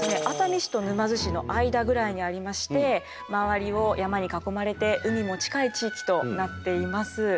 熱海市と沼津市の間ぐらいにありまして周りを山に囲まれて海も近い地域となっています。